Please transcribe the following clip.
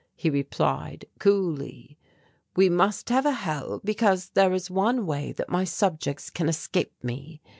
He replied coolly: "'We must have a Hell because there is one way that my subjects can escape me.